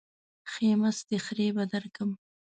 ښې مستې خرې به درکم.